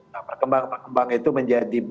nah perkembangan perkembangan itu menjadi